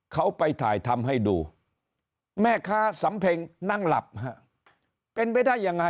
เขาไปถ่ายทำให้ดูแม่ค้าสำเพ็งนั่งหลับฮะเป็นไปได้ยังไง